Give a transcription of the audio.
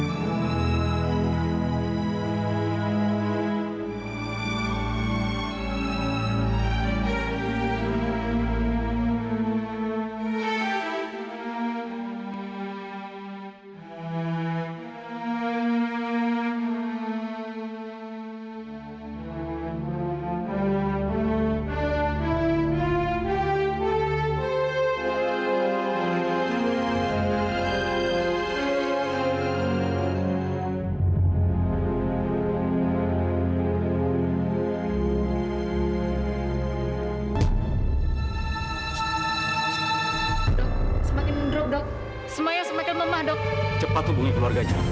semakin lemah dok